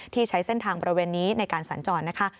ใช้เส้นทางบริเวณนี้ในการสัญจรนะคะ